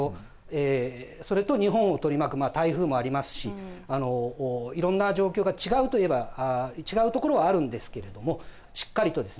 それと日本を取り巻く台風もありますしいろんな状況が違うといえば違うところはあるんですけれどもしっかりとですね